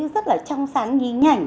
rất là trong sáng nhí nhảnh